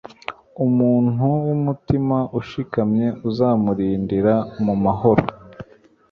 umuntu w'umutima ushikamye uzamurindira mumahoro